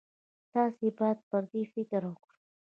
تاسې باید پر دې فکر وکړئ.